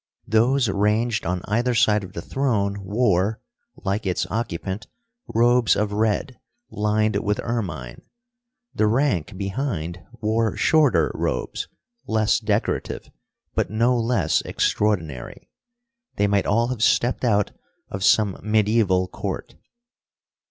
Those ranged on either side of the throne wore, like its occupant, robes of red, lined with ermine. The rank behind wore shorter robes, less decorative, but no less extraordinary. They might all have stepped out of some medieval court.